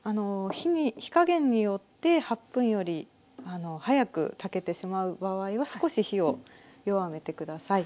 火加減によって８分より早く炊けてしまう場合は少し火を弱めて下さい。